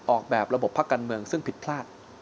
ออกแบบระบบภาคการเมืองซึ่งผิดพลาด